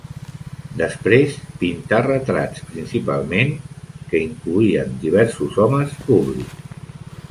Després, pintà retrats principalment, que incloïen diversos homes públics.